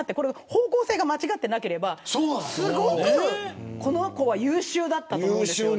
方向性が間違ってなければすごく、この子は優秀だったと思うんです。